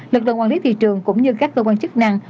lực lượng quản lý thị trường cũng như các cơ quan chức năng